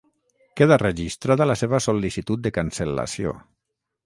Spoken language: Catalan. Queda registrada la seva sol·licitud de cancel·lació.